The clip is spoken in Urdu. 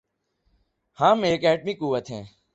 ہم ایک ایٹمی قوت ہیں۔